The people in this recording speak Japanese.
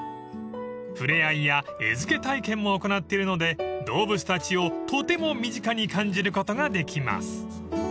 ［触れ合いや餌付け体験も行っているので動物たちをとても身近に感じることができます］